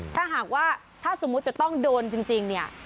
ถ้าหากว่าถ้าสมมุติจะต้องโดนจริงเนี่ย